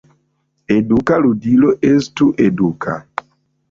Eduka ludilo estu eduka.